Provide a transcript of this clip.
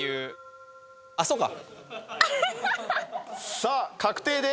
さあ確定で。